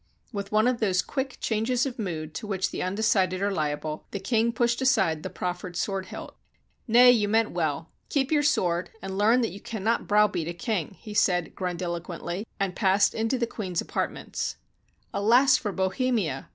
With one of those quick changes of mood to which the undecided are liable, the king pushed aside the prof fered sword hilt. "Nay; you meant well. Keep your sword, and learn that you cannot browbeat a king," he said grandilo quently, and passed into the queen's apartments. "Alas for Bohemia!"